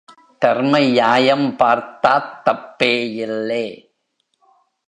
தர்ம ஞாயம் பார்த்தாத் தப்பேயில்லே.